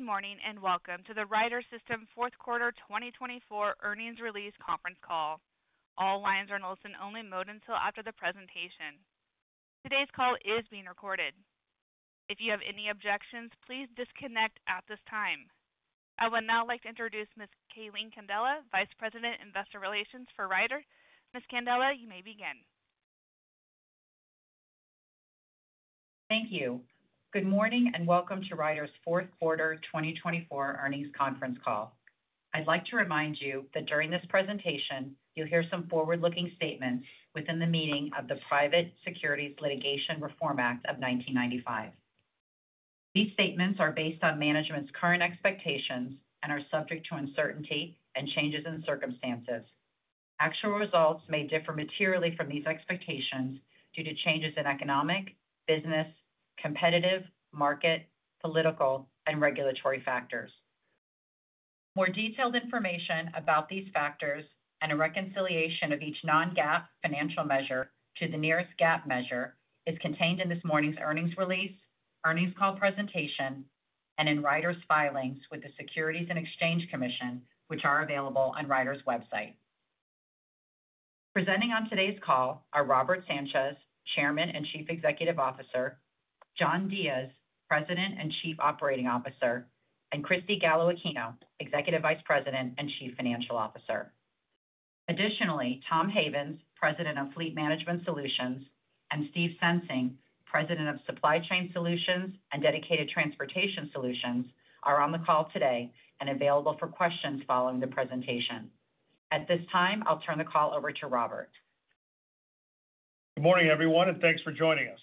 Good morning and welcome to the Ryder System Fourth Quarter 2024 Earnings Release Conference Call. All lines are in listen-only mode until after the presentation. Today's call is being recorded. If you have any objections, please disconnect at this time. I would now like to introduce Ms. Calene Candela, Vice President, Investor Relations for Ryder. Ms. Candela, you may begin. Thank you. Good morning and welcome to Ryder's Fourth Quarter 2024 Earnings Conference Call. I'd like to remind you that during this presentation, you'll hear some forward-looking statements within the meaning of the Private Securities Litigation Reform Act of 1995. These statements are based on management's current expectations and are subject to uncertainty and changes in circumstances. Actual results may differ materially from these expectations due to changes in economic, business, competitive, market, political, and regulatory factors. More detailed information about these factors and a reconciliation of each non-GAAP financial measure to the nearest GAAP measure is contained in this morning's earnings release, earnings call presentation, and in Ryder's filings with the Securities and Exchange Commission, which are available on Ryder's website. Presenting on today's call are Robert Sanchez, Chairman and Chief Executive Officer, John Diez, President and Chief Operating Officer, and Cristy Gallo-Aquino, Executive Vice President and Chief Financial Officer. Additionally, Tom Havens, President of Fleet Management Solutions, and Steve Sensing, President of Supply Chain Solutions and Dedicated Transportation Solutions, are on the call today and available for questions following the presentation. At this time, I'll turn the call over to Robert. Good morning, everyone, and thanks for joining us.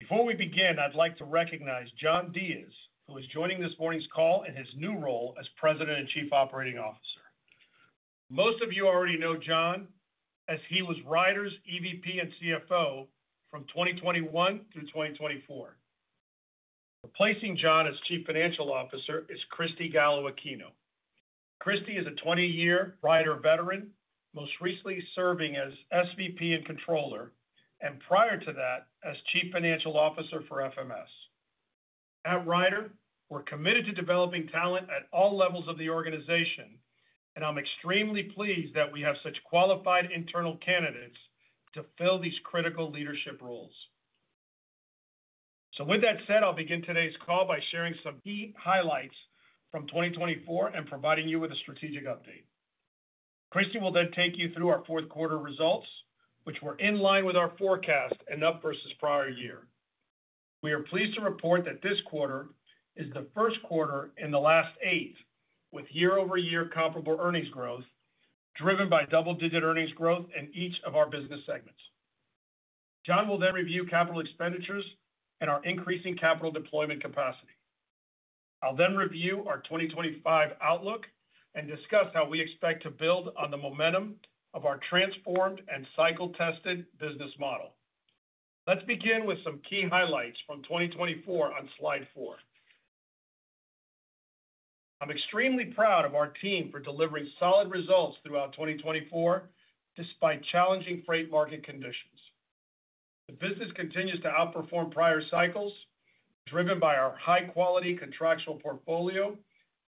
Before we begin, I'd like to recognize John Diez, who is joining this morning's call in his new role as President and Chief Operating Officer. Most of you already know John as he was Ryder's EVP and CFO from 2021 to 2024. Replacing John as Chief Financial Officer is Cristy Gallo-Aquino. Cristy is a 20-year Ryder veteran, most recently serving as SVP and Controller, and prior to that as Chief Financial Officer for FMS. At Ryder, we're committed to developing talent at all levels of the organization, and I'm extremely pleased that we have such qualified internal candidates to fill these critical leadership roles. So with that said, I'll begin today's call by sharing some key highlights from 2024 and providing you with a strategic update. Cristy will then take you through our fourth quarter results, which were in line with our forecast as expected versus prior year. We are pleased to report that this quarter is the first quarter in the last eight, with year-over-year comparable earnings growth driven by double-digit earnings growth in each of our business segments. John will then review capital expenditures and our increasing capital deployment capacity. I'll then review our 2025 outlook and discuss how we expect to build on the momentum of our transformed and cycle-tested business model. Let's begin with some key highlights from 2024 on slide four. I'm extremely proud of our team for delivering solid results throughout 2024 despite challenging freight market conditions. The business continues to outperform prior cycles, driven by our high-quality contractual portfolio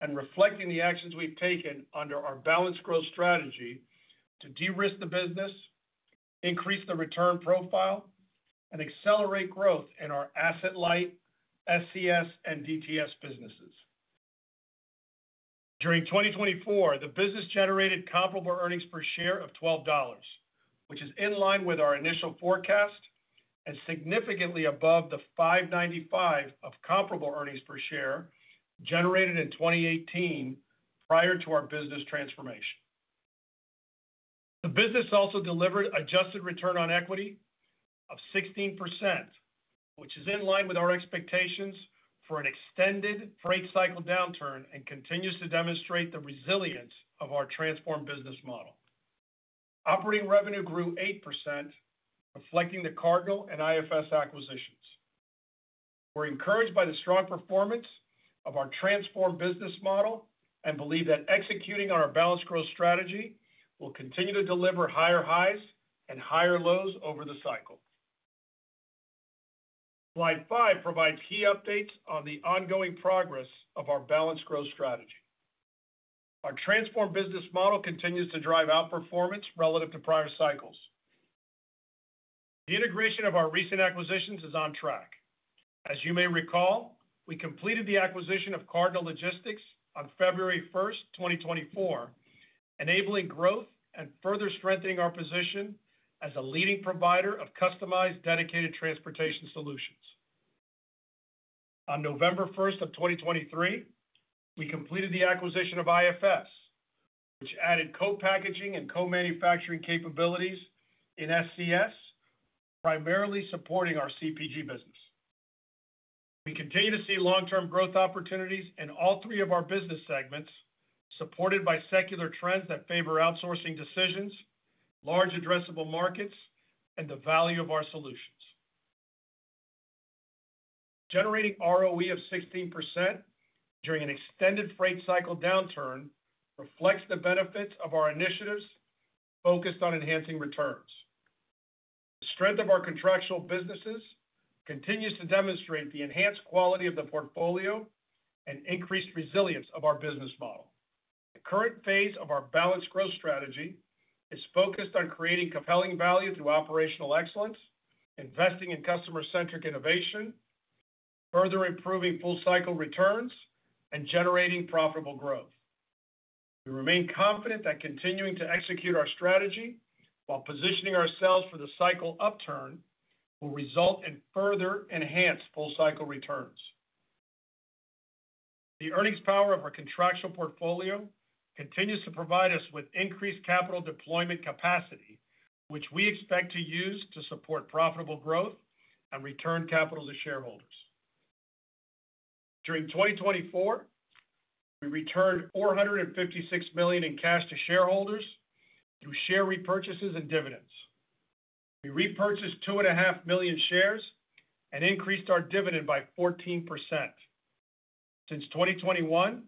and reflecting the actions we've taken under our balanced growth strategy to de-risk the business, increase the return profile, and accelerate growth in our asset-light, SCS, and DTS businesses. During 2024, the business generated comparable earnings per share of $12, which is in line with our initial forecast and significantly above the $5.95 of comparable earnings per share generated in 2018 prior to our business transformation. The business also delivered adjusted return on equity of 16%, which is in line with our expectations for an extended freight cycle downturn and continues to demonstrate the resilience of our transformed business model. Operating revenue grew 8%, reflecting the Cardinal and IFS acquisitions. We're encouraged by the strong performance of our transformed business model and believe that executing on our balanced growth strategy will continue to deliver higher highs and higher lows over the cycle. Slide five provides key updates on the ongoing progress of our balanced growth strategy. Our transformed business model continues to drive outperformance relative to prior cycles. The integration of our recent acquisitions is on track. As you may recall, we completed the acquisition of Cardinal Logistics on February 1st, 2024, enabling growth and further strengthening our position as a leading provider of customized Dedicated Transportation solutions. On November 1st of 2023, we completed the acquisition of IFS, which added co-packaging and co-manufacturing capabilities in SCS, primarily supporting our CPG business. We continue to see long-term growth opportunities in all three of our business segments, supported by secular trends that favor outsourcing decisions, large addressable markets, and the value of our solutions. Generating ROE of 16% during an extended freight cycle downturn reflects the benefits of our initiatives focused on enhancing returns. The strength of our contractual businesses continues to demonstrate the enhanced quality of the portfolio and increased resilience of our business model. The current phase of our balanced growth strategy is focused on creating compelling value through operational excellence, investing in customer-centric innovation, further improving full-cycle returns, and generating profitable growth. We remain confident that continuing to execute our strategy while positioning ourselves for the cycle upturn will result in further enhanced full-cycle returns. The earnings power of our contractual portfolio continues to provide us with increased capital deployment capacity, which we expect to use to support profitable growth and return capital to shareholders. During 2024, we returned $456 million in cash to shareholders through share repurchases and dividends. We repurchased 2.5 million shares and increased our dividend by 14%. Since 2021,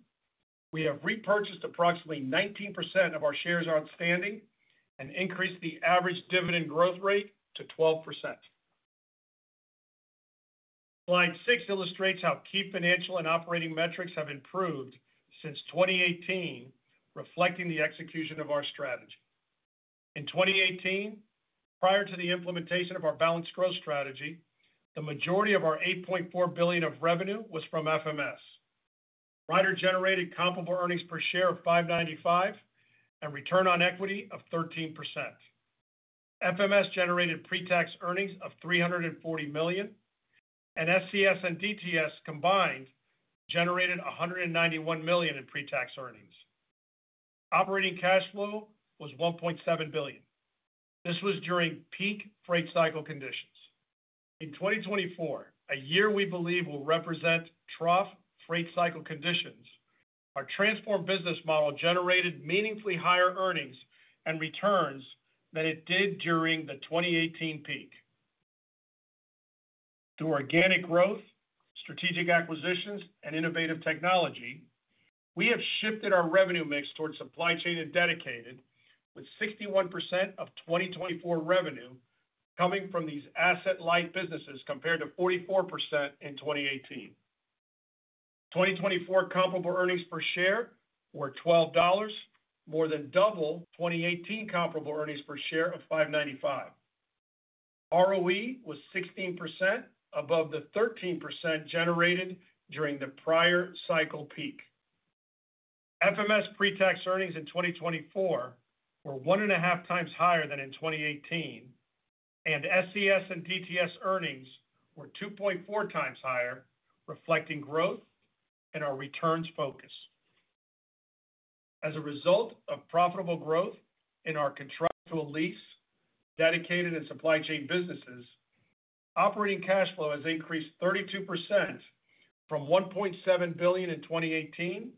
we have repurchased approximately 19% of our shares outstanding and increased the average dividend growth rate to 12%. Slide six illustrates how key financial and operating metrics have improved since 2018, reflecting the execution of our strategy. In 2018, prior to the implementation of our balanced growth strategy, the majority of our $8.4 billion of revenue was from FMS. Ryder generated comparable earnings per share of $5.95 and return on equity of 13%. FMS generated pre-tax earnings of $340 million, and SCS and DTS combined generated $191 million in pre-tax earnings. Operating cash flow was $1.7 billion. This was during peak freight cycle conditions. In 2024, a year we believe will represent trough freight cycle conditions, our transformed business model generated meaningfully higher earnings and returns than it did during the 2018 peak. Through organic growth, strategic acquisitions, and innovative technology, we have shifted our revenue mix towards supply chain and dedicated, with 61% of 2024 revenue coming from these asset-light businesses compared to 44% in 2018. 2024 comparable earnings per share were $12, more than double 2018 comparable earnings per share of $5.95. ROE was 16% above the 13% generated during the prior cycle peak. FMS pre-tax earnings in 2024 were one and a half times higher than in 2018, and SCS and DTS earnings were 2.4 times higher, reflecting growth in our returns focus. As a result of profitable growth in our contractual lease, dedicated, and supply chain businesses, operating cash flow has increased 32% from $1.7 billion in 2018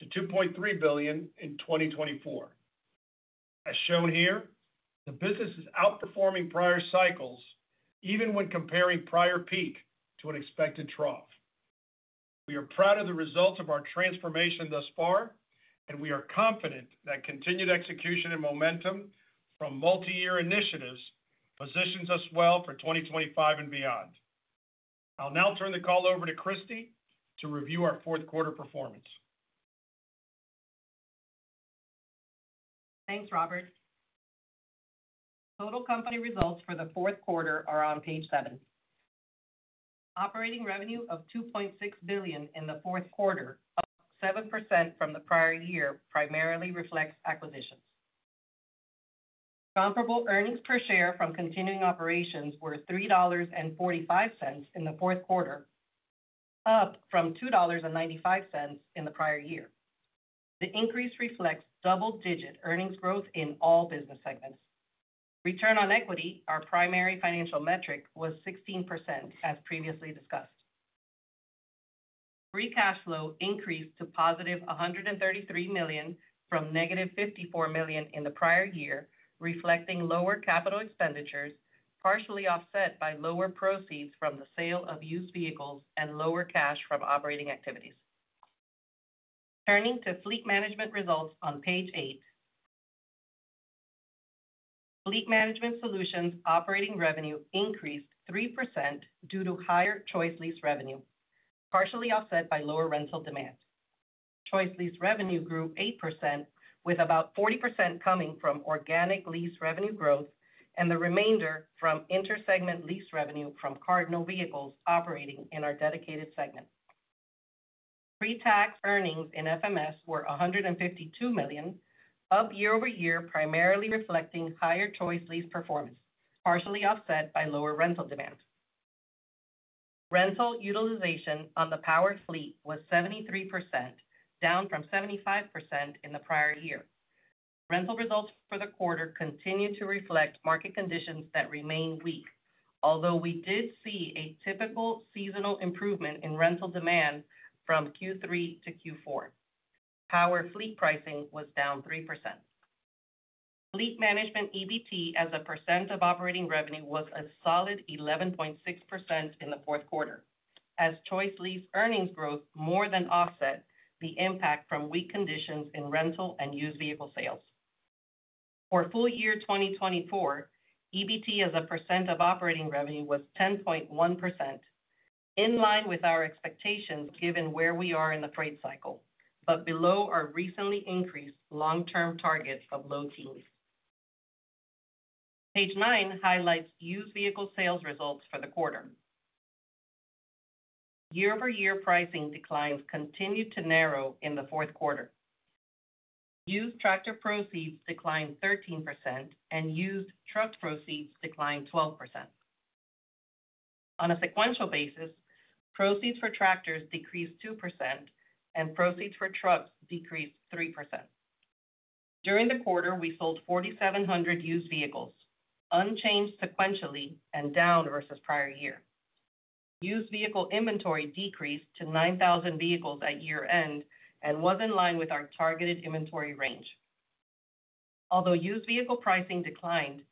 to $2.3 billion in 2024. As shown here, the business is outperforming prior cycles, even when comparing prior peak to an expected trough. We are proud of the results of our transformation thus far, and we are confident that continued execution and momentum from multi-year initiatives positions us well for 2025 and beyond. I'll now turn the call over to Cristy to review our fourth quarter performance. Thanks, Robert. Total company results for the fourth quarter are on page seven. Operating revenue of $2.6 billion in the fourth quarter, up 7% from the prior year, primarily reflects acquisitions. Comparable earnings per share from continuing operations were $3.45 in the fourth quarter, up from $2.95 in the prior year. The increase reflects double-digit earnings growth in all business segments. Return on equity, our primary financial metric, was 16%, as previously discussed. Free cash flow increased to positive $133 million from negative $54 million in the prior year, reflecting lower capital expenditures, partially offset by lower proceeds from the sale of used vehicles and lower cash from operating activities. Turning to fleet management results on page eight, Fleet Management Solutions operating revenue increased 3% due to higher ChoiceLease revenue, partially offset by lower rental demand. ChoiceLease revenue grew 8%, with about 40% coming from organic lease revenue growth and the remainder from intersegment lease revenue from Cardinal vehicles operating in our dedicated segment. Pre-tax earnings in FMS were $152 million, up year-over-year, primarily reflecting higher ChoiceLease performance, partially offset by lower rental demand. Rental utilization on the power fleet was 73%, down from 75% in the prior year. Rental results for the quarter continue to reflect market conditions that remain weak, although we did see a typical seasonal improvement in rental demand from Q3 to Q4. Power fleet pricing was down 3%. Fleet management EBT as a percent of operating revenue was a solid 11.6% in the fourth quarter, as ChoiceLease earnings growth more than offset the impact from weak conditions in rental and used vehicle sales. For full year 2024, EBT as a percent of operating revenue was 10.1%, in line with our expectations given where we are in the freight cycle, but below our recently increased long-term target of low teens. Page nine highlights used vehicle sales results for the quarter. Year-over-year pricing declines continued to narrow in the fourth quarter. Used tractor proceeds declined 13%, and used truck proceeds declined 12%. On a sequential basis, proceeds for tractors decreased 2%, and proceeds for trucks decreased 3%. During the quarter, we sold 4,700 used vehicles, unchanged sequentially and down versus prior year. Used vehicle inventory decreased to 9,000 vehicles at year-end and was in line with our targeted inventory range. Although used vehicle pricing declined,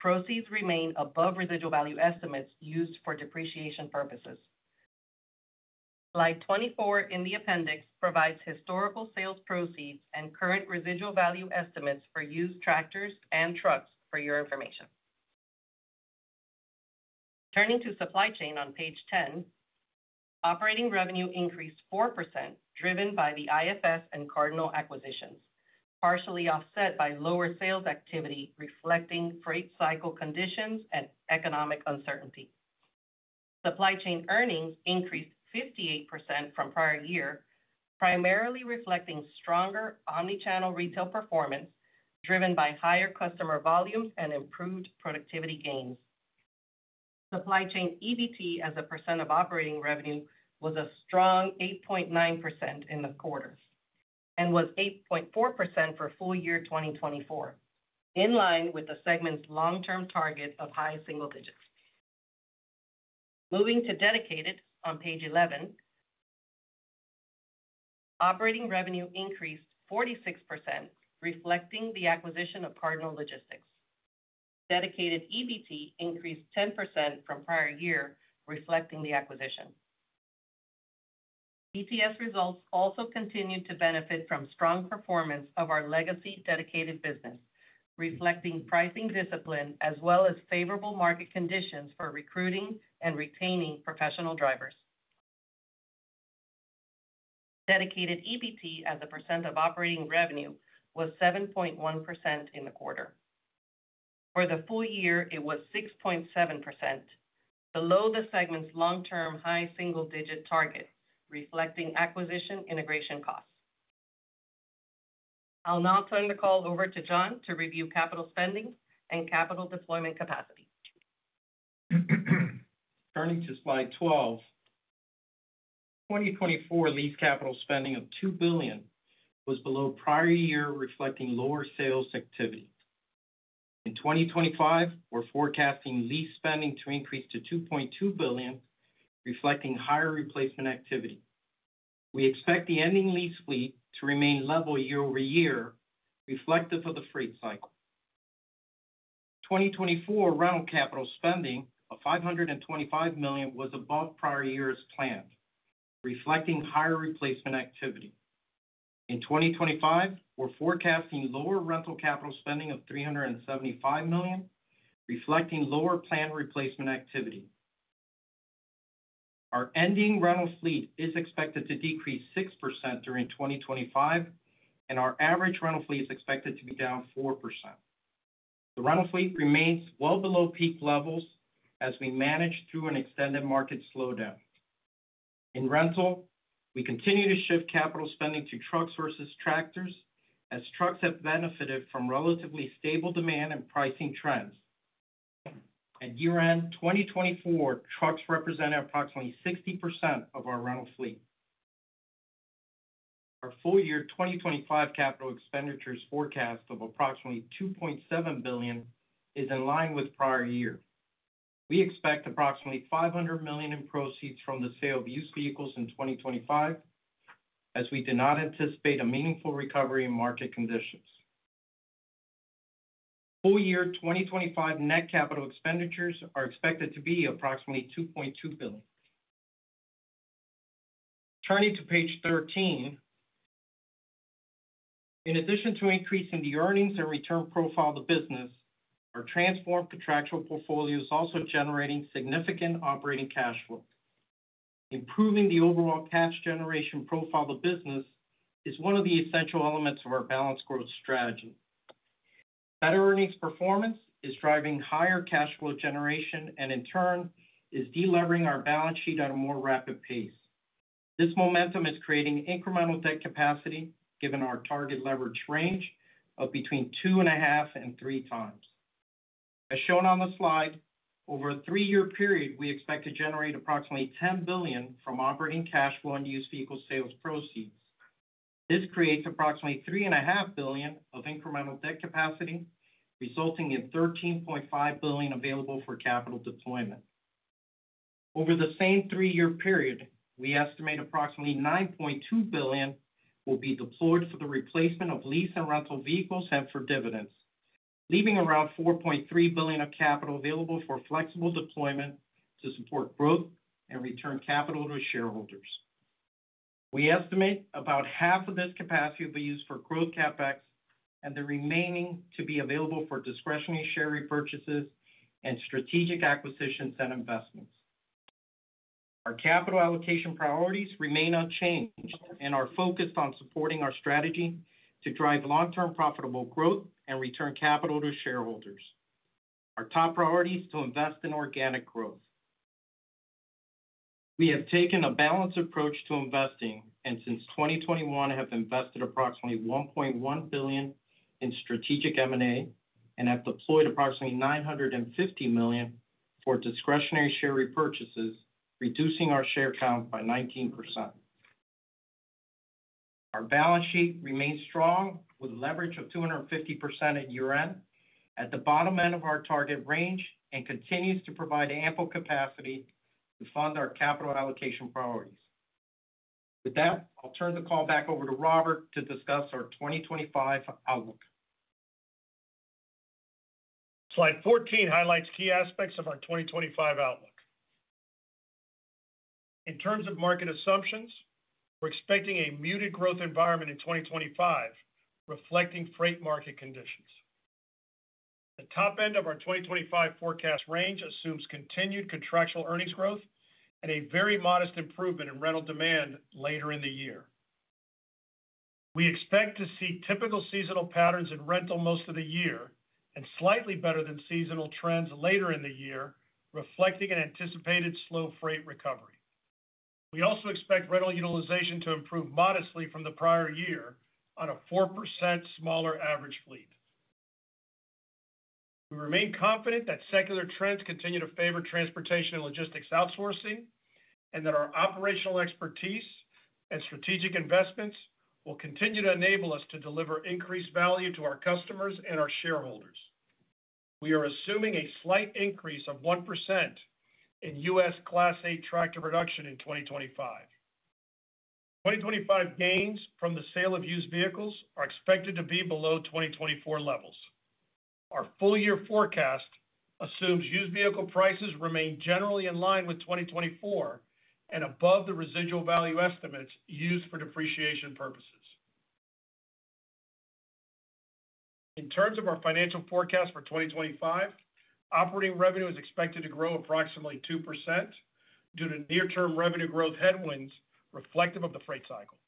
proceeds remained above residual value estimates used for depreciation purposes. Slide 24 in the appendix provides historical sales proceeds and current residual value estimates for used tractors and trucks for your information. Turning to supply chain on page ten, operating revenue increased 4%, driven by the IFS and Cardinal acquisitions, partially offset by lower sales activity reflecting freight cycle conditions and economic uncertainty. Supply chain earnings increased 58% from prior year, primarily reflecting stronger omnichannel retail performance driven by higher customer volumes and improved productivity gains. Supply chain EBT as a percent of operating revenue was a strong 8.9% in the quarter and was 8.4% for full year 2024, in line with the segment's long-term target of high single digits. Moving to dedicated on page 11, operating revenue increased 46%, reflecting the acquisition of Cardinal Logistics. Dedicated EBT increased 10% from prior year, reflecting the acquisition. DTS results also continued to benefit from strong performance of our legacy dedicated business, reflecting pricing discipline as well as favorable market conditions for recruiting and retaining professional drivers. Dedicated EBT as a % of operating revenue was 7.1% in the quarter. For the full year, it was 6.7%, below the segment's long-term high single-digit target, reflecting acquisition integration costs. I'll now turn the call over to John to review capital spending and capital deployment capacity. Turning to slide 12, 2024 lease capital spending of $2 billion was below prior year, reflecting lower sales activity. In 2025, we're forecasting lease spending to increase to $2.2 billion, reflecting higher replacement activity. We expect the ending lease fleet to remain level year-over-year, reflective of the freight cycle. 2024 rental capital spending of $525 million was above prior year's plan, reflecting higher replacement activity. In 2025, we're forecasting lower rental capital spending of $375 million, reflecting lower planned replacement activity. Our ending rental fleet is expected to decrease 6% during 2025, and our average rental fleet is expected to be down 4%. The rental fleet remains well below peak levels as we manage through an extended market slowdown. In rental, we continue to shift capital spending to trucks versus tractors, as trucks have benefited from relatively stable demand and pricing trends. At year-end, 2024 trucks represented approximately 60% of our rental fleet. Our full year 2025 capital expenditures forecast of approximately $2.7 billion is in line with prior year. We expect approximately $500 million in proceeds from the sale of used vehicles in 2025, as we do not anticipate a meaningful recovery in market conditions. Full year 2025 net capital expenditures are expected to be approximately $2.2 billion. Turning to page 13, in addition to increasing the earnings and return profile of the business, our transformed contractual portfolio is also generating significant operating cash flow. Improving the overall cash generation profile of the business is one of the essential elements of our balanced growth strategy. Better earnings performance is driving higher cash flow generation and, in turn, is delivering our balance sheet at a more rapid pace. This momentum is creating incremental debt capacity, given our target leverage range of between two and a half and three times. As shown on the slide, over a three-year period, we expect to generate approximately $10 billion from operating cash flow and used vehicle sales proceeds. This creates approximately $3.5 billion of incremental debt capacity, resulting in $13.5 billion available for capital deployment. Over the same three-year period, we estimate approximately $9.2 billion will be deployed for the replacement of lease and rental vehicles and for dividends, leaving around $4.3 billion of capital available for flexible deployment to support growth and return capital to shareholders. We estimate about half of this capacity will be used for growth CapEx and the remaining to be available for discretionary share repurchases and strategic acquisitions and investments. Our capital allocation priorities remain unchanged, and are focused on supporting our strategy to drive long-term profitable growth and return capital to shareholders. Our top priority is to invest in organic growth. We have taken a balanced approach to investing and, since 2021, have invested approximately $1.1 billion in strategic M&A and have deployed approximately $950 million for discretionary share repurchases, reducing our share count by 19%. Our balance sheet remains strong, with leverage of 250% at year-end at the bottom end of our target range and continues to provide ample capacity to fund our capital allocation priorities. With that, I'll turn the call back over to Robert to discuss our 2025 outlook. Slide 14 highlights key aspects of our 2025 outlook. In terms of market assumptions, we're expecting a muted growth environment in 2025, reflecting freight market conditions. The top end of our 2025 forecast range assumes continued contractual earnings growth and a very modest improvement in rental demand later in the year. We expect to see typical seasonal patterns in rental most of the year and slightly better than seasonal trends later in the year, reflecting an anticipated slow freight recovery. We also expect rental utilization to improve modestly from the prior year on a 4% smaller average fleet. We remain confident that secular trends continue to favor transportation and logistics outsourcing and that our operational expertise and strategic investments will continue to enable us to deliver increased value to our customers and our shareholders. We are assuming a slight increase of 1% in U.S. Class 8 tractor production in 2025. 2025 gains from the sale of used vehicles are expected to be below 2024 levels. Our full year forecast assumes used vehicle prices remain generally in line with 2024 and above the residual value estimates used for depreciation purposes. In terms of our financial forecast for 2025, operating revenue is expected to grow approximately 2% due to near-term revenue growth headwinds reflective of the freight cycle.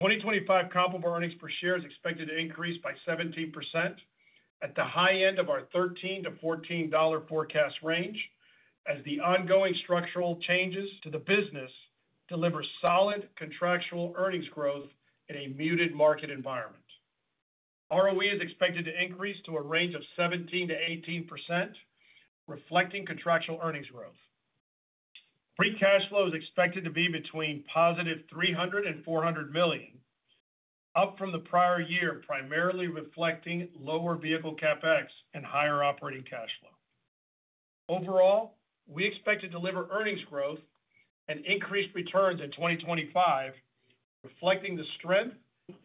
2025 comparable earnings per share is expected to increase by 17% at the high end of our $13-$14 forecast range, as the ongoing structural changes to the business deliver solid contractual earnings growth in a muted market environment. ROE is expected to increase to a range of 17%-18%, reflecting contractual earnings growth. Free cash flow is expected to be between positive $300 and $400 million, up from the prior year, primarily reflecting lower vehicle CapEx and higher operating cash flow. Overall, we expect to deliver earnings growth and increased returns in 2025, reflecting the strength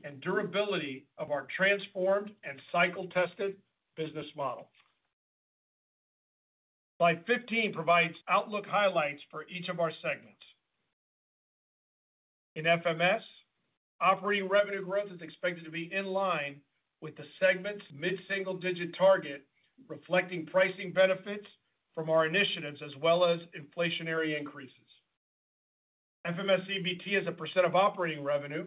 and durability of our transformed and cycle-tested business model. Slide 15 provides outlook highlights for each of our segments. In FMS, operating revenue growth is expected to be in line with the segment's mid-single digit target, reflecting pricing benefits from our initiatives as well as inflationary increases. FMS EBT as a % of operating revenue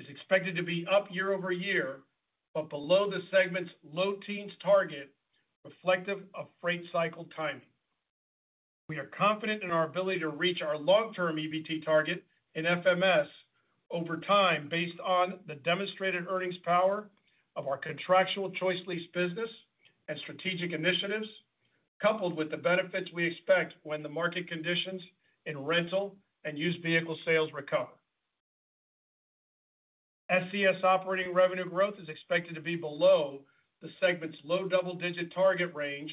is expected to be up year-over-year, but below the segment's low teens target, reflective of freight cycle timing. We are confident in our ability to reach our long-term EBT target in FMS over time, based on the demonstrated earnings power of our contractual ChoiceLease business and strategic initiatives, coupled with the benefits we expect when the market conditions in rental and used vehicle sales recover. SCS operating revenue growth is expected to be below the segment's low double-digit target range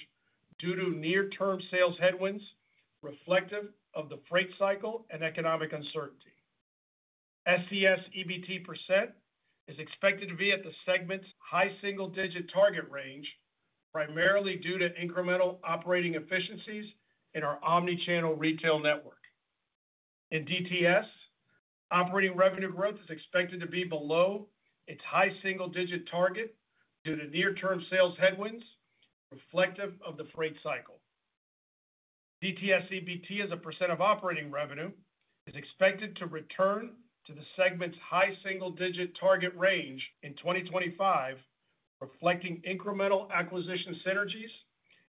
due to near-term sales headwinds reflective of the freight cycle and economic uncertainty. SCS EBT % is expected to be at the segment's high single-digit target range, primarily due to incremental operating efficiencies in our omnichannel retail network. In DTS, operating revenue growth is expected to be below its high single-digit target due to near-term sales headwinds reflective of the freight cycle. DTS EBT as a % of operating revenue is expected to return to the segment's high single-digit target range in 2025, reflecting incremental acquisition synergies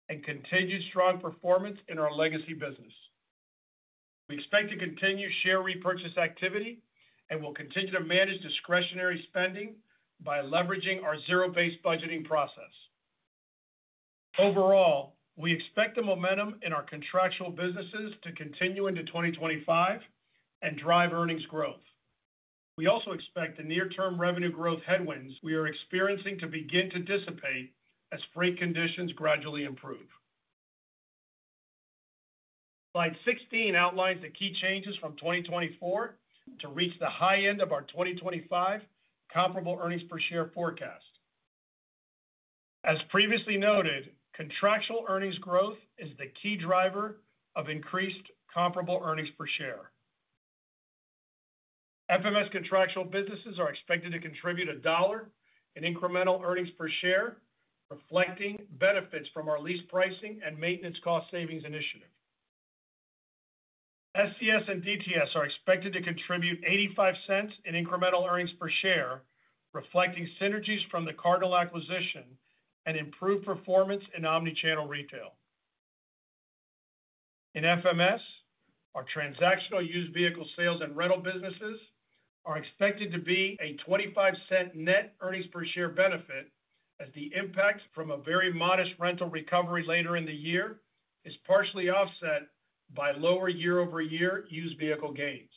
and continued strong performance in our legacy business. We expect to continue share repurchase activity and will continue to manage discretionary spending by leveraging our zero-based budgeting process. Overall, we expect the momentum in our contractual businesses to continue into 2025 and drive earnings growth. We also expect the near-term revenue growth headwinds we are experiencing to begin to dissipate as freight conditions gradually improve. Slide 16 outlines the key changes from 2024 to reach the high end of our 2025 comparable earnings per share forecast. As previously noted, contractual earnings growth is the key driver of increased comparable earnings per share. FMS contractual businesses are expected to contribute $1 in incremental earnings per share, reflecting benefits from our lease pricing and maintenance cost savings initiative. SCS and DTS are expected to contribute $0.85 in incremental earnings per share, reflecting synergies from the Cardinal acquisition and improved performance in omnichannel retail. In FMS, our transactional used vehicle sales and rental businesses are expected to be a $0.25 net earnings per share benefit, as the impact from a very modest rental recovery later in the year is partially offset by lower year-over-year used vehicle gains.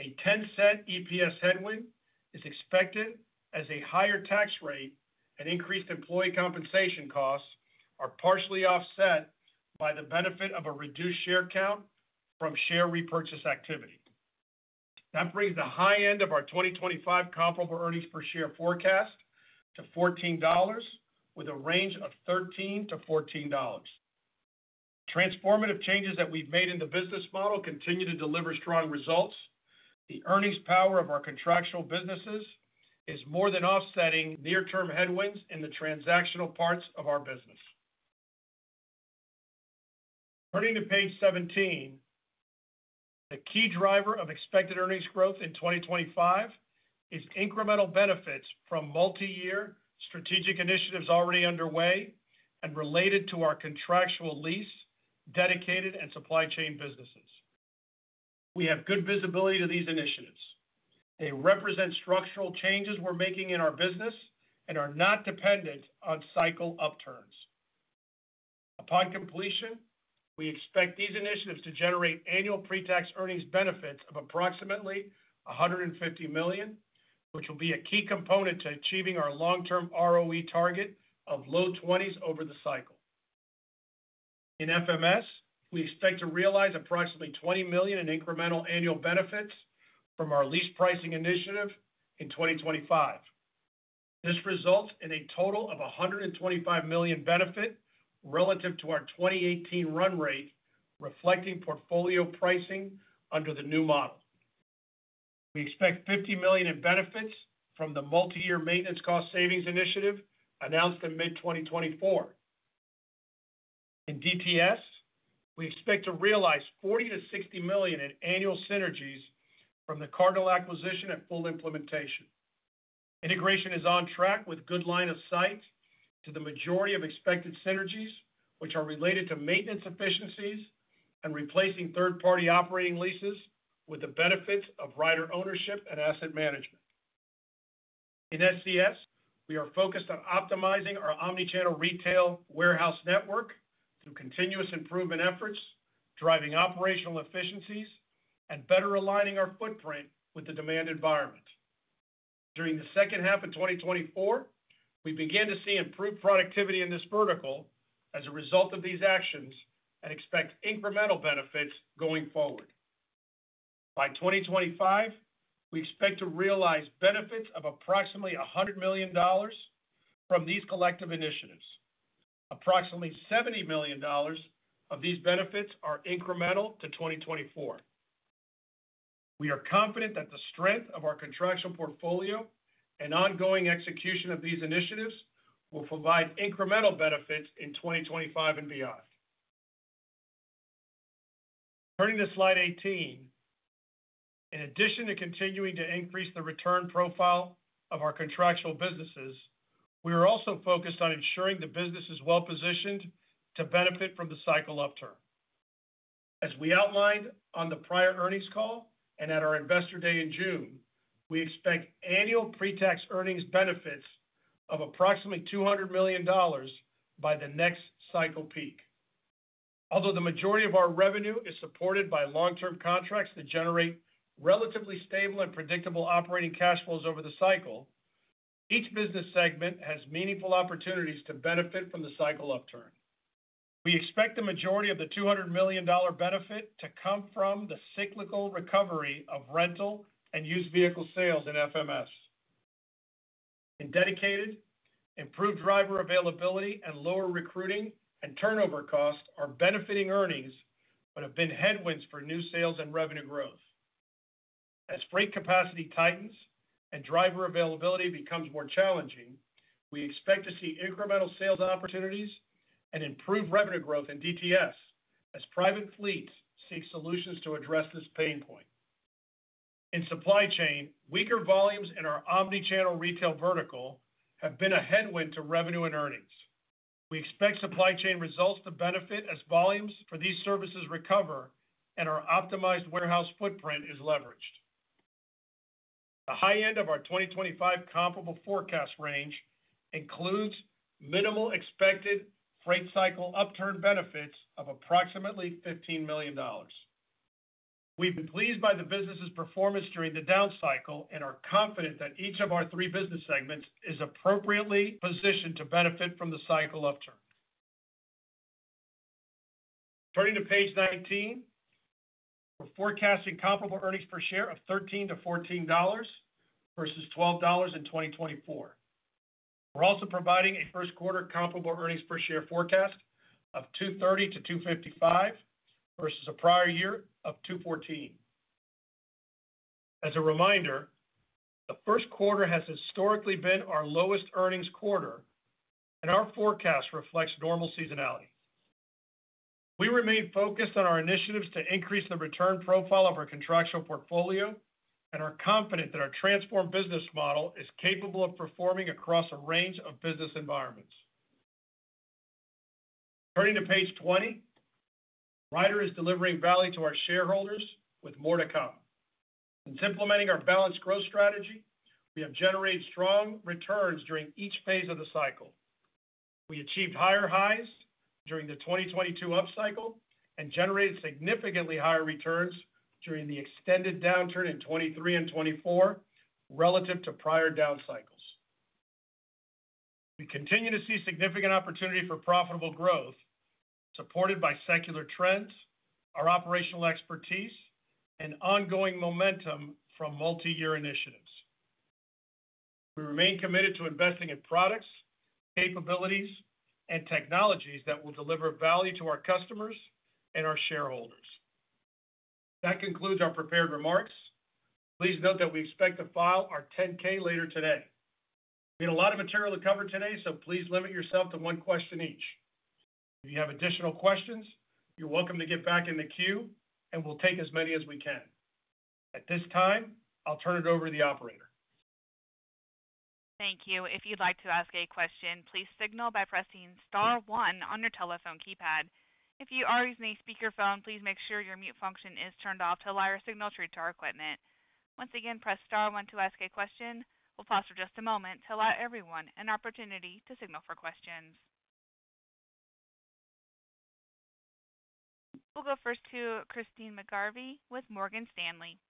A $0.10 EPS headwind is expected, as a higher tax rate and increased employee compensation costs are partially offset by the benefit of a reduced share count from share repurchase activity. That brings the high end of our 2025 comparable earnings per share forecast to $14, with a range of $13-$14. The transformative changes that we've made in the business model continue to deliver strong results. The earnings power of our contractual businesses is more than offsetting near-term headwinds in the transactional parts of our business. Turning to page 17, the key driver of expected earnings growth in 2025 is incremental benefits from multi-year strategic initiatives already underway and related to our contractual lease, dedicated, and supply chain businesses. We have good visibility to these initiatives. They represent structural changes we're making in our business and are not dependent on cycle upturns. Upon completion, we expect these initiatives to generate annual pre-tax earnings benefits of approximately $150 million, which will be a key component to achieving our long-term ROE target of low 20s over the cycle. In FMS, we expect to realize approximately $20 million in incremental annual benefits from our lease pricing initiative in 2025. This results in a total of $125 million benefit relative to our 2018 run rate, reflecting portfolio pricing under the new model. We expect $50 million in benefits from the multi-year maintenance cost savings initiative announced in mid-2024. In DTS, we expect to realize $40-$60 million in annual synergies from the Cardinal acquisition at full implementation. Integration is on track with good line of sight to the majority of expected synergies, which are related to maintenance efficiencies and replacing third-party operating leases with the benefits of Ryder ownership and asset management. In SCS, we are focused on optimizing our omnichannel retail warehouse network through continuous improvement efforts, driving operational efficiencies, and better aligning our footprint with the demand environment. During the second half of 2024, we began to see improved productivity in this vertical as a result of these actions and expect incremental benefits going forward. By 2025, we expect to realize benefits of approximately $100 million from these collective initiatives. Approximately $70 million of these benefits are incremental to 2024. We are confident that the strength of our contractual portfolio and ongoing execution of these initiatives will provide incremental benefits in 2025 and beyond. Turning to slide 18, in addition to continuing to increase the return profile of our contractual businesses, we are also focused on ensuring the business is well-positioned to benefit from the cycle upturn. As we outlined on the prior earnings call and at our Investor day in June, we expect annual pre-tax earnings benefits of approximately $200 million by the next cycle peak. Although the majority of our revenue is supported by long-term contracts that generate relatively stable and predictable operating cash flows over the cycle, each business segment has meaningful opportunities to benefit from the cycle upturn. We expect the majority of the $200 million benefit to come from the cyclical recovery of rental and used vehicle sales in FMS. In dedicated, improved driver availability and lower recruiting and turnover costs are benefiting earnings but have been headwinds for new sales and revenue growth. As freight capacity tightens and driver availability becomes more challenging, we expect to see incremental sales opportunities and improved revenue growth in DTS as private fleets seek solutions to address this pain point. In supply chain, weaker volumes in our omnichannel retail vertical have been a headwind to revenue and earnings. We expect supply chain results to benefit as volumes for these services recover and our optimized warehouse footprint is leveraged. The high end of our 2025 comparable forecast range includes minimal expected freight cycle upturn benefits of approximately $15 million. We've been pleased by the business's performance during the down cycle and are confident that each of our three business segments is appropriately positioned to benefit from the cycle upturn. Turning to page 19, we're forecasting comparable earnings per share of $13-$14 versus $12 in 2024. We're also providing a first quarter comparable earnings per share forecast of $230-$255 versus a prior year of $214. As a reminder, the first quarter has historically been our lowest earnings quarter, and our forecast reflects normal seasonality. We remain focused on our initiatives to increase the return profile of our contractual portfolio and are confident that our transformed business model is capable of performing across a range of business environments. Turning to page 20, Ryder is delivering value to our shareholders with more to come. Since implementing our balanced growth strategy, we have generated strong returns during each phase of the cycle. We achieved higher highs during the 2022 up cycle and generated significantly higher returns during the extended downturn in 2023 and 2024 relative to prior down cycles. We continue to see significant opportunity for profitable growth, supported by secular trends, our operational expertise, and ongoing momentum from multi-year initiatives. We remain committed to investing in products, capabilities, and technologies that will deliver value to our customers and our shareholders. That concludes our prepared remarks. Please note that we expect to file our 10-K later today. We had a lot of material to cover today, so please limit yourself to one question each. If you have additional questions, you're welcome to get back in the queue, and we'll take as many as we can. At this time, I'll turn it over to the operator. Thank you. If you'd like to ask a question, please signal by pressing star one on your telephone keypad. If you are using a speakerphone, please make sure your mute function is turned off to allow your signal through to our equipment. Once again, press star one to ask a question. We'll pause for just a moment to allow everyone an opportunity to signal for questions. We'll go first to Christine McGarvey with Morgan Stanley.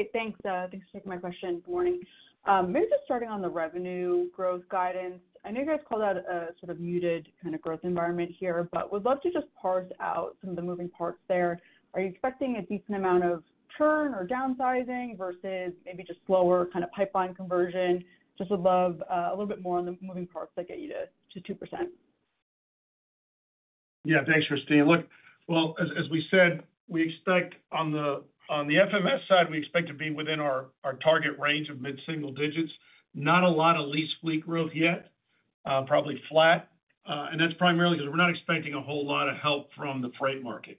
Hey, thanks. Thanks for taking my question. Good morning. Maybe just starting on the revenue growth guidance. I know you guys called out a sort of muted kind of growth environment here, but would love to just parse out some of the moving parts there. Are you expecting a decent amount of churn or downsizing versus maybe just slower kind of pipeline conversion? Just would love a little bit more on the moving parts that get you to 2%. Yeah, thanks, Christine. Look, well, as we said, we expect on the FMS side, we expect to be within our target range of mid-single digits. Not a lot of lease fleet growth yet, probably flat. And that's primarily because we're not expecting a whole lot of help from the freight market.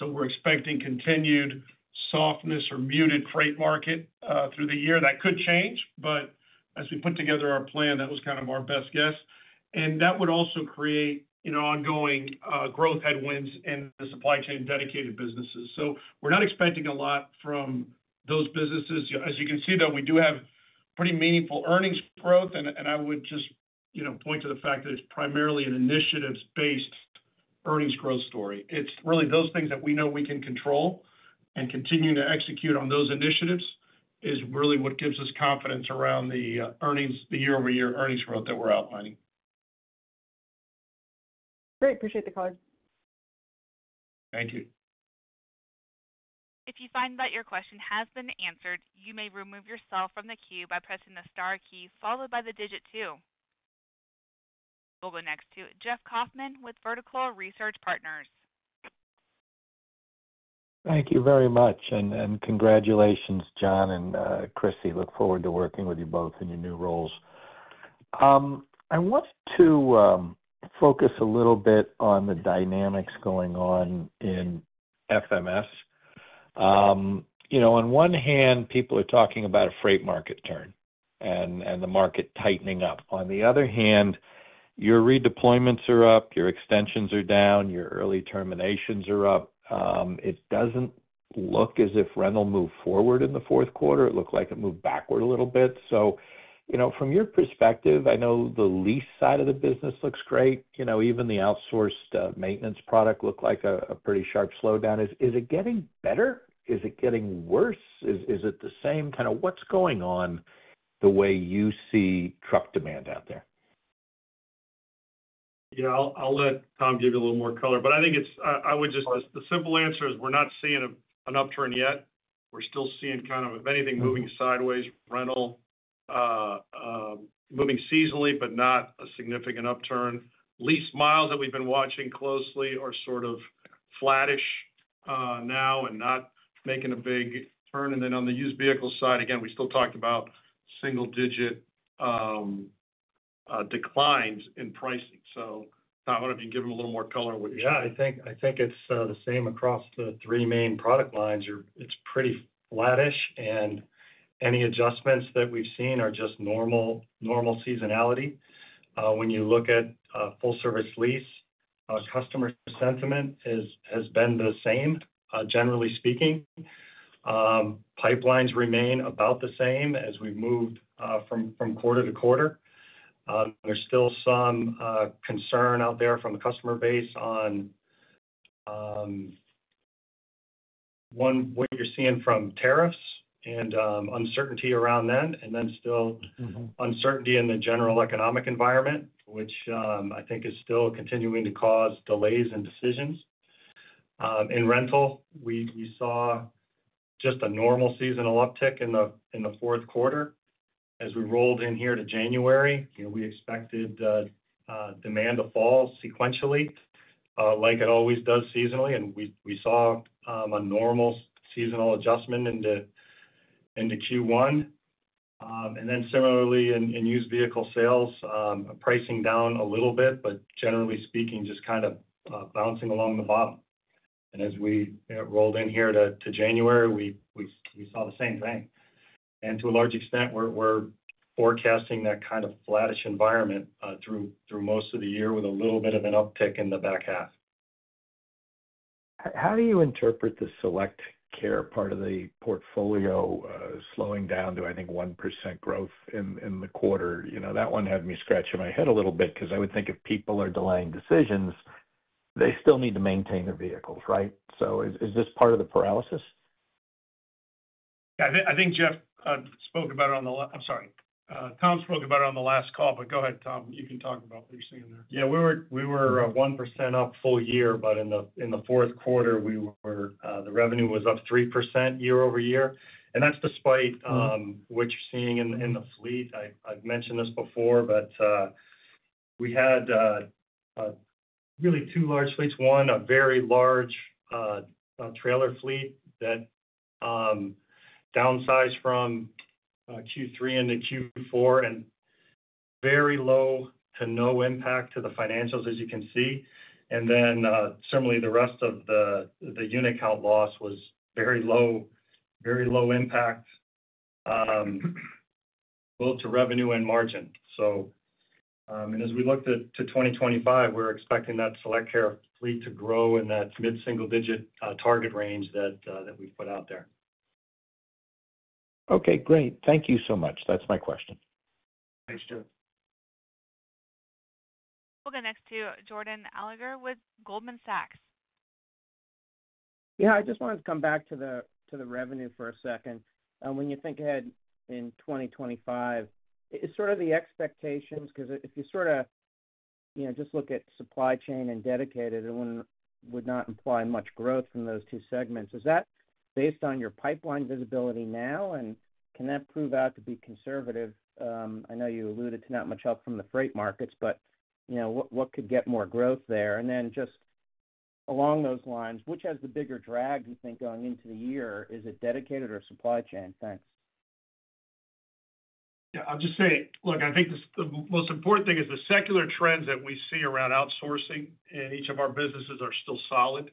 We're expecting continued softness or muted freight market through the year. That could change, but as we put together our plan, that was kind of our best guess. And that would also create ongoing growth headwinds in the supply chain dedicated businesses. So we're not expecting a lot from those businesses. As you can see, though, we do have pretty meaningful earnings growth, and I would just point to the fact that it's primarily an initiatives-based earnings growth story. It's really those things that we know we can control and continue to execute on those initiatives is really what gives us confidence around the year-over-year earnings growth that we're outlining. Great. Appreciate the call. Thank you. If you find that your question has been answered, you may remove yourself from the queue by pressing the star key followed by the digit two. We'll go next to Jeff Kaufman with Vertical Research Partners. Thank you very much. And congratulations, John and Cristy. Look forward to working with you both in your new roles. I want to focus a little bit on the dynamics going on in FMS. On one hand, people are talking about a freight market turn and the market tightening up. On the other hand, your redeployments are up, your extensions are down, your early terminations are up. It doesn't look as if rental moved forward in the fourth quarter. It looked like it moved backward a little bit. So from your perspective, I know the lease side of the business looks great. Even the outsourced maintenance product looked like a pretty sharp slowdown. Is it getting better? Is it getting worse? Is it the same? Kind of, what's going on the way you see truck demand out there? Yeah, I'll let Tom give you a little more color. But I think it's. I would just the simple answer is we're not seeing an upturn yet. We're still seeing kind of, if anything, moving sideways, rental moving seasonally, but not a significant upturn. Lease miles that we've been watching closely are sort of flattish now and not making a big turn. And then on the used vehicle side, again, we still talked about single-digit declines in pricing. So Tom, why don't you give them a little more color on what you're seeing? Yeah, I think it's the same across the three main product lines. It's pretty flattish, and any adjustments that we've seen are just normal seasonality. When you look at full-service lease, customer sentiment has been the same, generally speaking. Pipelines remain about the same as we've moved from quarter to quarter. There's still some concern out there from the customer base on what you're seeing from tariffs and uncertainty around that, and then still uncertainty in the general economic environment, which I think is still continuing to cause delays in decisions. In rental, we saw just a normal seasonal uptick in the fourth quarter. As we rolled in here to January, we expected demand to fall sequentially like it always does seasonally, and we saw a normal seasonal adjustment into Q1. and then similarly, in used vehicle sales, pricing down a little bit, but generally speaking, just kind of bouncing along the bottom. and as we rolled in here to January, we saw the same thing. and to a large extent, we're forecasting that kind of flattish environment through most of the year with a little bit of an uptick in the back half. How do you interpret the SelectCare part of the portfolio slowing down to, I think, 1% growth in the quarter? That one had me scratching my head a little bit because I would think if people are delaying decisions, they still need to maintain their vehicles, right? So is this part of the paralysis? Yeah, I think Jeff spoke about it on the, I'm sorry. Tom spoke about it on the last call, but go ahead, Tom. You can talk about what you're seeing there. Yeah, we were 1% up full year, but in the fourth quarter, the revenue was up 3% year-over-year. And that's despite what you're seeing in the fleet. I've mentioned this before, but we had really two large fleets. One, a very large trailer fleet that downsized from Q3 into Q4 and very low to no impact to the financials, as you can see. And then similarly, the rest of the unit count loss was very low, very low impact both to revenue and margin. And as we look to 2025, we're expecting that SelectCare fleet to grow in that mid-single digit target range that we've put out there. Okay, great. Thank you so much. That's my question. Thanks, Jeff. We'll go next to Jordan Alliger with Goldman Sachs. Yeah, I just wanted to come back to the revenue for a second. When you think ahead in 2025, is sort of the expectations because if you sort of just look at supply chain and dedicated, it would not imply much growth from those two segments. Is that based on your pipeline visibility now, and can that prove out to be conservative? I know you alluded to not much help from the freight markets, but what could get more growth there? And then just along those lines, which has the bigger drag, you think, going into the year? Is it dedicated or supply chain? Thanks. Yeah, I'll just say, look, I think the most important thing is the secular trends that we see around outsourcing in each of our businesses are still solid.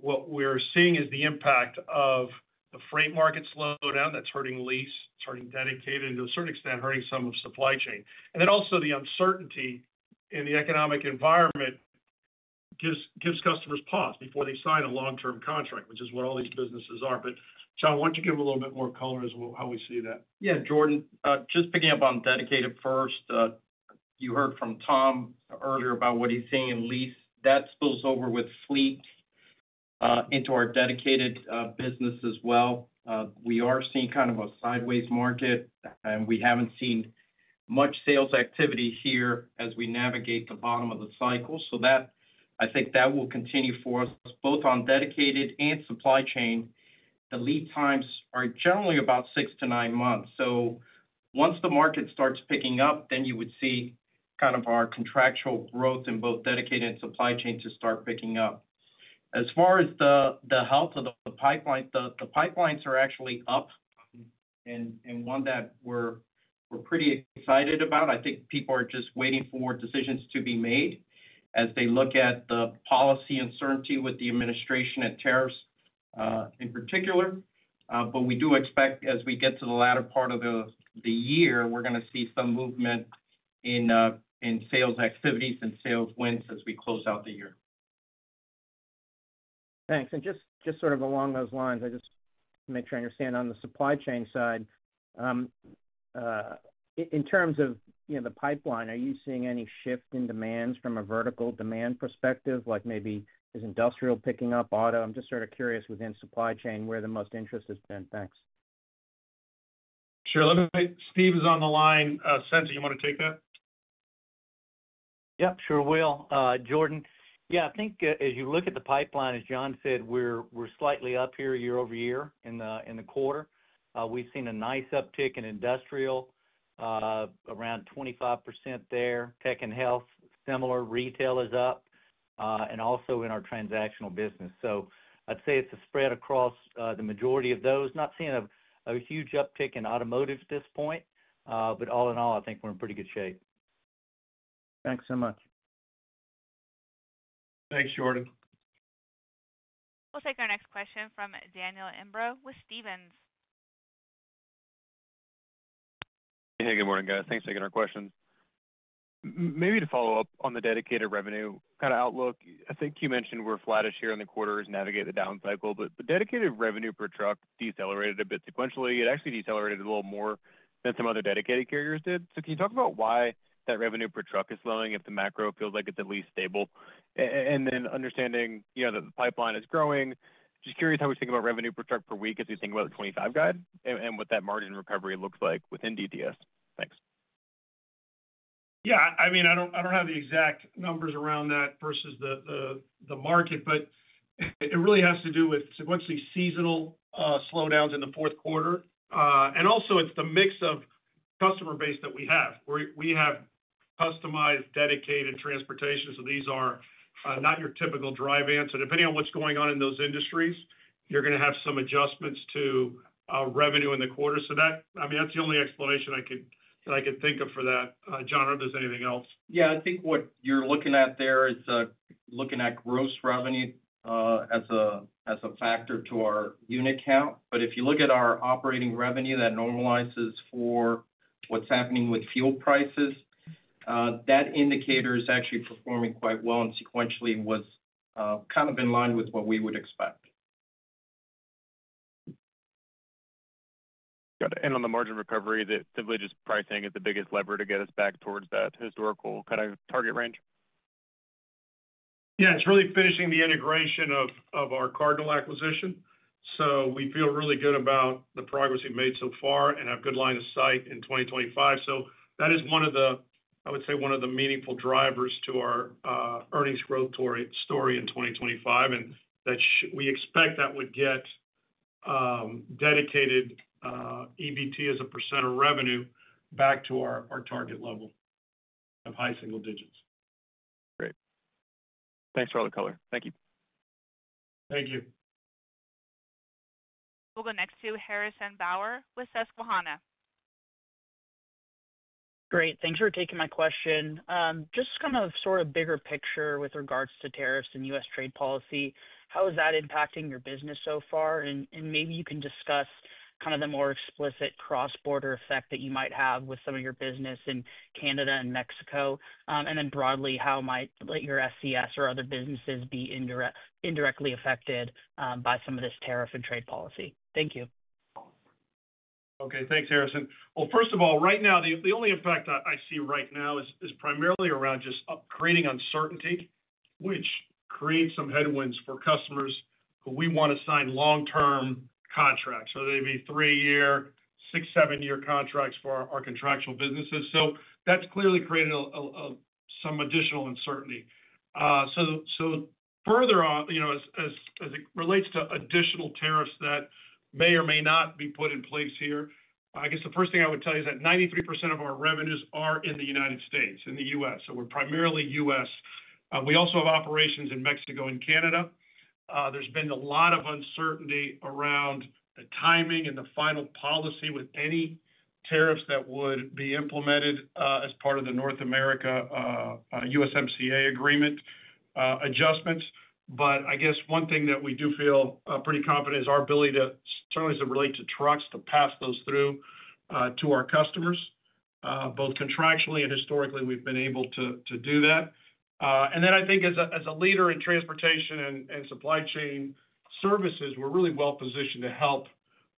What we're seeing is the impact of the freight market slowdown that's hurting lease, it's hurting dedicated, and to a certain extent, hurting some of supply chain. And then also the uncertainty in the economic environment gives customers pause before they sign a long-term contract, which is what all these businesses are. But John, why don't you give them a little bit more color as to how we see that? Yeah, Jordan, just picking up on dedicated first, you heard from Tom earlier about what he's seeing in lease. That spills over with fleet into our dedicated business as well. We are seeing kind of a sideways market, and we haven't seen much sales activity here as we navigate the bottom of the cycle. So I think that will continue for us both on dedicated and supply chain. The lead times are generally about six to nine months. So once the market starts picking up, then you would see kind of our contractual growth in both dedicated and supply chain to start picking up. As far as the health of the pipelines, the pipelines are actually up, and one that we're pretty excited about. I think people are just waiting for decisions to be made as they look at the policy uncertainty with the administration and tariffs in particular. But we do expect as we get to the latter part of the year, we're going to see some movement in sales activities and sales wins as we close out the year. Thanks. And just sort of along those lines, I just want to make sure I understand on the supply chain side, in terms of the pipeline, are you seeing any shift in demand from a vertical demand perspective, like maybe is industrial picking up, auto? I'm just sort of curious within supply chain where the most interest has been. Thanks. Sure. Steve is on the line. Sensing, you want to take that? Yep, sure, will. Jordan, yeah, I think as you look at the pipeline, as John said, we're slightly up here year-over-year in the quarter. We've seen a nice uptick in industrial, around 25% there. Tech and health, similar. Retail is up, and also in our transactional business. So I'd say it's a spread across the majority of those. Not seeing a huge uptick in automotive at this point, but all in all, I think we're in pretty good shape. Thanks so much. Thanks, Jordan. We'll take our next question from Daniel Imbro with Stephens. Hey, good morning, guys. Thanks for taking our questions. Maybe to follow up on the dedicated revenue kind of outlook, I think you mentioned we're flattish here in the quarter as we navigate the down cycle, but the dedicated revenue per truck decelerated a bit sequentially. It actually decelerated a little more than some other dedicated carriers did. So can you talk about why that revenue per truck is slowing if the macro feels like it's at least stable? And then, understanding that the pipeline is growing, just curious how we think about revenue per truck per week as we think about the '25 guide and what that margin recovery looks like within DTS. Thanks. Yeah, I mean, I don't have the exact numbers around that versus the market, but it really has to do with sequentially seasonal slowdowns in the fourth quarter. And also, it's the mix of customer base that we have. We have customized dedicated transportation. So these are not your typical dry van. So depending on what's going on in those industries, you're going to have some adjustments to revenue in the quarter. So I mean, that's the only explanation I could think of for that. John, if there's anything else. Yeah, I think what you're looking at there is looking at gross revenue as a function of our unit count. But if you look at our operating revenue, that normalizes for what's happening with fuel prices. That indicator is actually performing quite well and sequentially was kind of in line with what we would expect. Got it. And on the margin recovery, the volume pricing is the biggest lever to get us back towards that historical kind of target range. Yeah, it's really finishing the integration of our Cardinal acquisition. So we feel really good about the progress we've made so far and have a good line of sight in 2025. So that is one of the, I would say, one of the meaningful drivers to our earnings growth story in 2025. And we expect that would get dedicated EBT as a % of revenue back to our target level of high single digits. Great. Thanks for all the color. Thank you. Thank you. We'll go next to Harrison Bauer with Susquehanna. Great. Thanks for taking my question. Just kind of sort of bigger picture with regards to tariffs and U.S. trade policy, how is that impacting your business so far? And maybe you can discuss kind of the more explicit cross-border effect that you might have with some of your business in Canada and Mexico. And then broadly, how might your SCS or other businesses be indirectly affected by some of this tariff and trade policy? Thank you. Okay, thanks, Harrison. Well, first of all, right now, the only effect I see right now is primarily around just creating uncertainty, which creates some headwinds for customers who we want to sign long-term contracts. So they'd be three-year, six, seven-year contracts for our contractual businesses. So that's clearly created some additional uncertainty. so further on, as it relates to additional tariffs that may or may not be put in place here, I guess the first thing I would tell you is that 93% of our revenues are in the United States, in the U.S. So we're primarily U.S. We also have operations in Mexico and Canada. There's been a lot of uncertainty around the timing and the final policy with any tariffs that would be implemented as part of the North America USMCA agreement adjustments. But I guess one thing that we do feel pretty confident is our ability to, certainly as it relates to trucks, to pass those through to our customers. Both contractually and historically, we've been able to do that. And then I think as a leader in transportation and supply chain services, we're really well positioned to help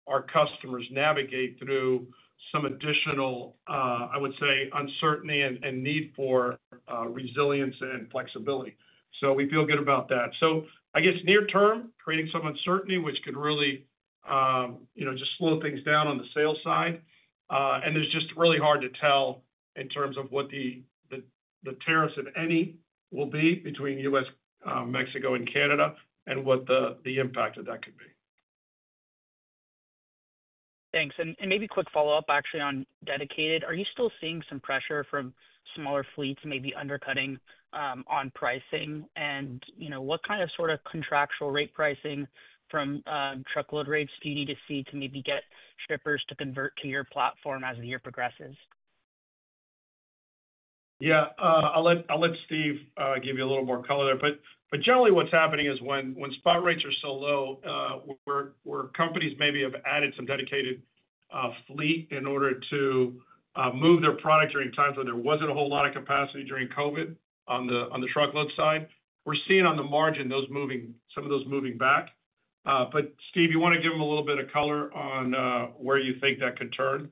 our customers navigate through some additional, I would say, uncertainty and need for resilience and flexibility, so we feel good about that. So I guess near-term, creating some uncertainty, which could really just slow things down on the sales side. And it's just really hard to tell in terms of what the tariffs, if any, will be between U.S., Mexico, and Canada and what the impact of that could be. Thanks. And maybe quick follow-up, actually, on dedicated. Are you still seeing some pressure from smaller fleets, maybe undercutting on pricing? And what kind of sort of contractual rate pricing from truckload rates do you need to see to maybe get shippers to convert to your platform as the year progresses? Yeah, I'll let Steve give you a little more color there, but generally, what's happening is when spot rates are so low, where companies maybe have added some dedicated fleet in order to move their product during times when there wasn't a whole lot of capacity during COVID on the truckload side, we're seeing on the margin some of those moving back, but Steve, you want to give them a little bit of color on where you think that could turn?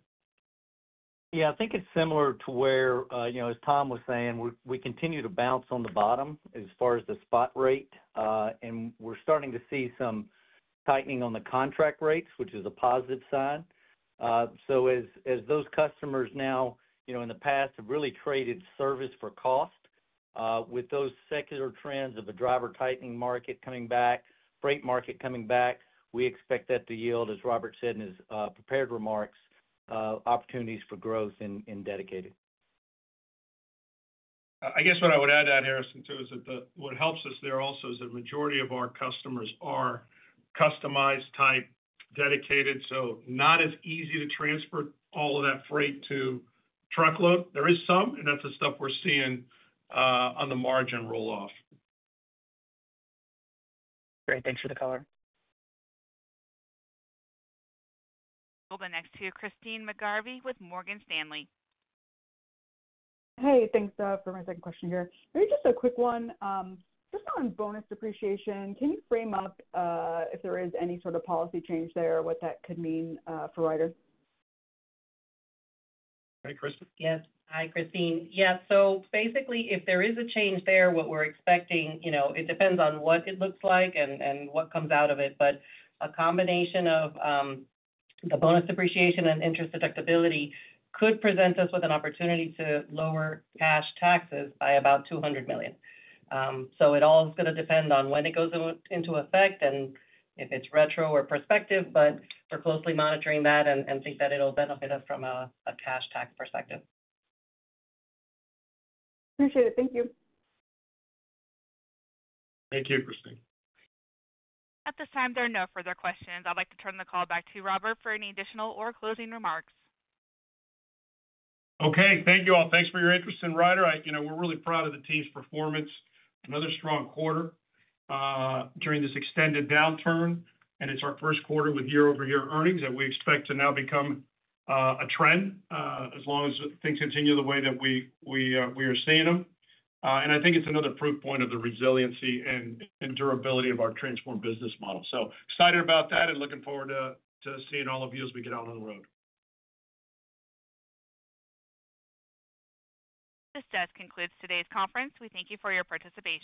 Yeah, I think it's similar to where, as Tom was saying, we continue to bounce on the bottom as far as the spot rate, and we're starting to see some tightening on the contract rates, which is a positive sign. So as those customers now, in the past, have really traded service for cost, with those secular trends of a driver tightening market coming back, freight market coming back, we expect that the yield, as Robert said in his prepared remarks, opportunities for growth in dedicated. I guess what I would add, Harrison, too, is that what helps us there also is that the majority of our customers are customized-type dedicated, so not as easy to transfer all of that freight to truckload. There is some, and that's the stuff we're seeing on the margin roll-off. Great. Thanks for the color. We'll go next to Christine McGarvey with Morgan Stanley. Hey, thanks for my second question here. Maybe just a quick one. Just on bonus depreciation, can you frame up if there is any sort of policy change there or what that could mean for Ryder? Hey, Christine. Yes. Hi, Christine. Yeah. So basically, if there is a change there, what we're expecting, it depends on what it looks like and what comes out of it. But a combination of the bonus depreciation and interest deductibility could present us with an opportunity to lower cash taxes by about $200 million. So it all is going to depend on when it goes into effect and if it's retro or prospective, but we're closely monitoring that and think that it'll benefit us from a cash tax perspective. Appreciate it. Thank you. Thank you, Christine. At this time, there are no further questions. I'd like to turn the call back to Robert for any additional or closing remarks. Okay. Thank you all. Thanks for your interest in Ryder. We're really proud of the team's performance. Another strong quarter during this extended downturn. And it's our first quarter with year-over-year earnings that we expect to now become a trend as long as things continue the way that we are seeing them. And I think it's another proof point of the resiliency and durability of our transformed business model. So excited about that and looking forward to seeing all of you as we get out on the road. This does conclude today's conference. We thank you for your participation.